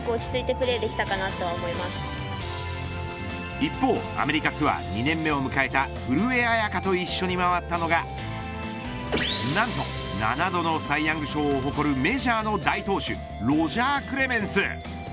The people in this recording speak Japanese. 一方アメリカツアー２年目を迎えた古江彩佳と一緒に回ったのが何と７度のサイヤング賞を誇るメジャーの大投手ロジャー・クレメンス。